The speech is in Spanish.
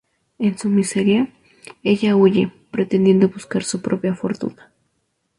En su miseria, ella huye, pretendiendo buscar su propia fortuna.